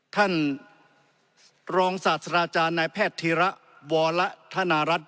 ท่านรองศาสตราจารย์นายแพทย์ธีระวรธนารัฐ